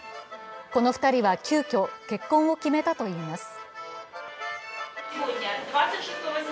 この２人は急きょ、結婚を決めたといいます。